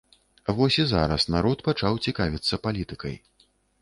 Вось і зараз народ пачаў цікавіцца палітыкай.